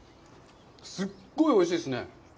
すごいおいしいっすね！